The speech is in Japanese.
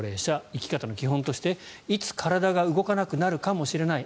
生き方の基本としていつ体が動かなくなるかもしれない。